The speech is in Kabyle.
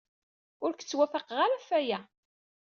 Ur k-ttwafaqeɣ ara ɣef waya.